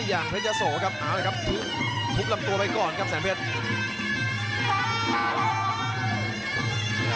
อย่างเพชรยะโสครับเอาเลยครับทุบลำตัวไปก่อนครับแสนเพชร